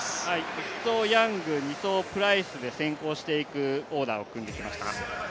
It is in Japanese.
１走、ヤング、２走プライスで先行していくオーダーを組んできました。